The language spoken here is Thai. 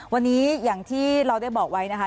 วันนี้อย่างที่เราได้บอกไว้นะคะ